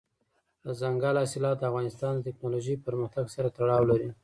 دځنګل حاصلات د افغانستان د تکنالوژۍ پرمختګ سره تړاو لري.